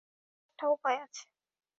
একটা উপায় আছে।